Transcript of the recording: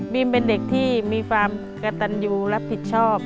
มีมเป็นเด็กที่มีความกระตันยูรับผิดชอบ